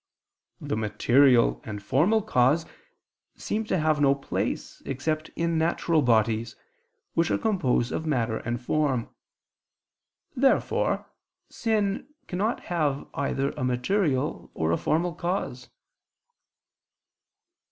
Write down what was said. The material and formal cause seems to have no place except in natural bodies, which are composed of matter and form. Therefore sin cannot have either a material or a formal cause.